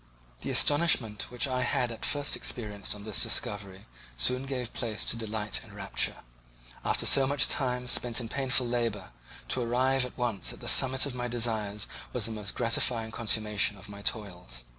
The astonishment which I had at first experienced on this discovery soon gave place to delight and rapture. After so much time spent in painful labour, to arrive at once at the summit of my desires was the most gratifying consummation of my toils.